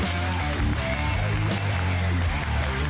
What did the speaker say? อ๋อใส่คันนี้จะเป็นของใคร